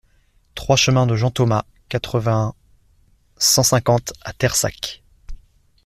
trois chemin de Jean Thomas, quatre-vingt-un, cent cinquante à Terssac